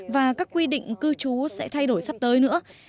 và các quy định cư trú sẽ thay đổi sắp tới nữa